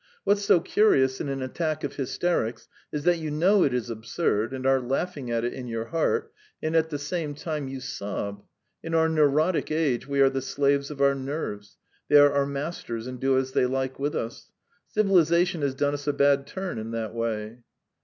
What's so curious in an attack of hysterics is that you know it is absurd, and are laughing at it in your heart, and at the same time you sob. In our neurotic age we are the slaves of our nerves; they are our masters and do as they like with us. Civilisation has done us a bad turn in that way.